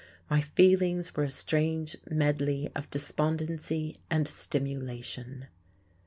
My feelings were a strange medley of despondency and stimulation....